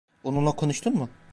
Onunla konuştun mu?